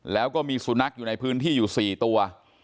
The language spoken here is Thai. แล้วก็มีสุนัขอยู่ในพื้นที่อยู่๔ตัว